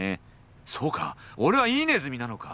そうか俺はいいネズミなのか。